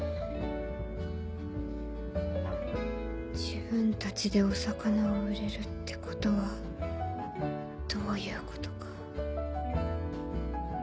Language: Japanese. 自分たちでお魚を売れるってことはどういうことか。